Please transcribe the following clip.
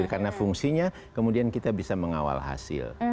karena fungsinya kemudian kita bisa mengawal hasil